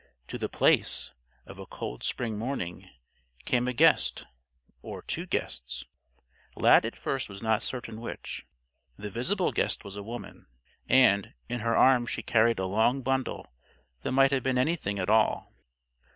To The Place, of a cold spring morning, came a guest; or two guests. Lad at first was not certain which. The visible guest was a woman. And, in her arms she carried a long bundle that might have been anything at all.